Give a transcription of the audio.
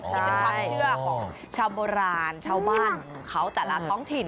นี่เป็นความเชื่อของชาวโบราณชาวบ้านของเขาแต่ละท้องถิ่น